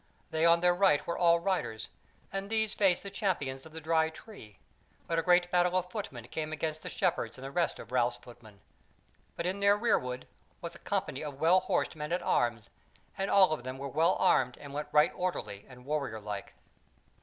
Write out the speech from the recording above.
They on their right were all riders, and these faced the Champions of the Dry Tree, but a great battle of footmen came against the Shepherds and the rest of Ralph's footmen, but in their rearward was a company of well horsed men at arms; and all of them were well armed and went right orderly and warrior like.